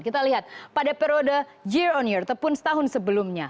kita lihat pada periode year on year ataupun setahun sebelumnya